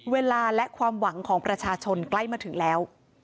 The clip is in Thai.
เวลาและความหวังของประชาชนใกล้มาถึงแล้ว